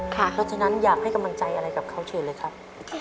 เพราะฉะนั้นอยากให้กำลังใจอะไรกับเขาเชิญเลยครับ